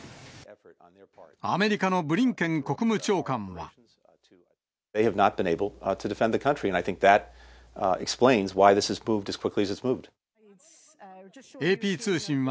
アメリカのブリンケン国務長官は。